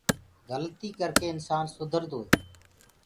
گلتي ڪر ڪي انسآن سُڌردو هي۔